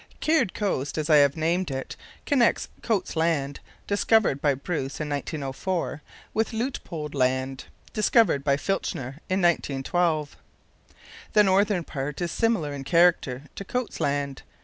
Caird Coast, as I have named it, connects Coats' Land, discovered by Bruce in 1904, with Luitpold Land, discovered by Filchner in 1912. The northern part is similar in character to Coats' Land.